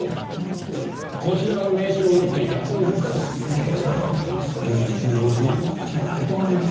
警部殿そういう重要情報はこちらに上げてもらえますか？